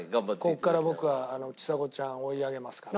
ここから僕はちさ子ちゃんを追い上げますから。